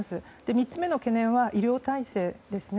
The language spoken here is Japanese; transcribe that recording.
３つ目の懸念は医療体制ですね。